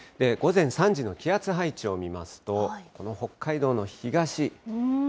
午前３時の気圧配置を見ますと、この北海道の東。